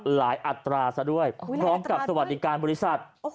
อัตราซะด้วยพร้อมกับสวัสดิการบริษัท